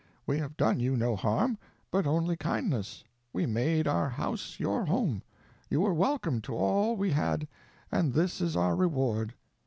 We have done you no harm, but only kindness; we made our house your home, you were welcome to all we had, and this is our reward."